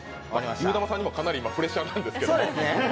ゆーだまさんにも今、かなりプレッシャーなんですけど。